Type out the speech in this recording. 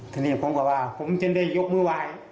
ทะเลแต่ผมพูดว่าผมจะได้ยกมือไหว